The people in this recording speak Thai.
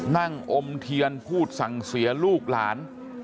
นั่งอมเทียนพูดสังเสรยาลูกหลาน